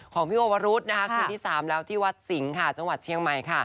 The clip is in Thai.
ของพี่โอวรุษคืนที่๓แล้วที่วัดสิงค่ะจังหวัดเชียงใหม่ค่ะ